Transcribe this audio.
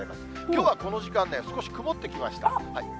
きょうはこの時間ね、少し曇ってきました。